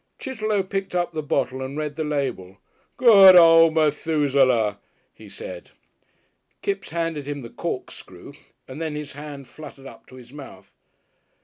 Chitterlow picked up the bottle and read the label. "Good old Methusaleh," he said. Kipps handed him the corkscrew and then his hand fluttered up to his mouth.